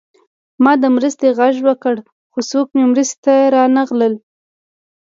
ما د مرستې غږ وکړ خو څوک مې مرستې ته رانغلل